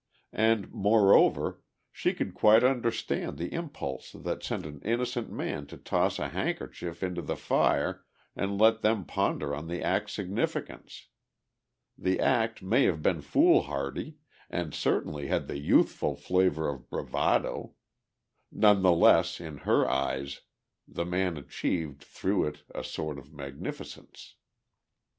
And, moreover, she could quite understand the impulse that sent an innocent man to toss a handkerchief into the fire and let them ponder on the act's significance. The act may have been foolhardy and certainly had the youthful flavour of bravado; none the less in her eyes the man achieved through it a sort of magnificence.